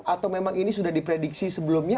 atau memang ini sudah diprediksi sebelumnya